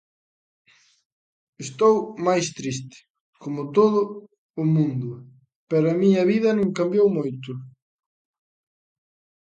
Estou máis triste, como todo o mundo, pero a miña vida non cambiou moito.